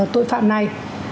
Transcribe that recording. tội phạm này